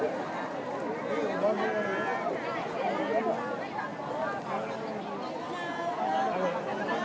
และที่อยู่ด้านหลังคุณยิ่งรักนะคะก็คือนางสาวคัตยาสวัสดีผลนะคะก็คือนางสาวคัตยาสวัสดีผลนะคะ